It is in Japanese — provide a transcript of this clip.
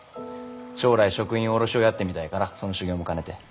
将来食品卸をやってみたいからその修業も兼ねて。